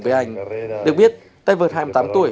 với anh được biết tay vợt hai mươi tám tuổi